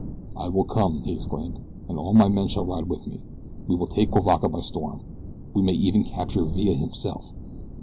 "I will come," he exclaimed, "and all my men shall ride with me. We will take Cuivaca by storm. We may even capture Villa himself."